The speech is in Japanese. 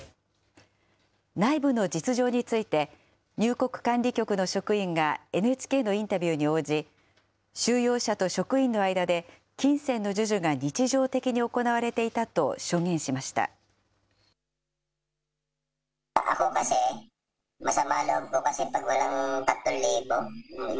内部の実情について、入国管理局の職員がＮＨＫのインタビューに応じ、収容者と職員の間で、金銭の授受が日常的に行われていたと証言しました。